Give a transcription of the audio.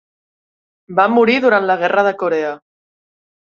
Va morir durant la Guerra de Corea.